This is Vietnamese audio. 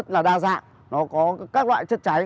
chất cháy là đa dạng nó có các loại chất cháy